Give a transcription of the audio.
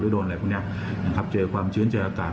หรือโดนอะไรพวกนี้เจอความชื้นเจออากาศ